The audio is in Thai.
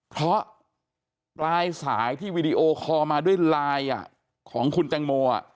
เพราะปลายสายที่วีดีโอคอลมาด้วยไลน์ของคุณแตงโม